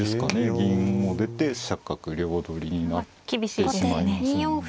銀も出て飛車角両取りになってしまいますのでね。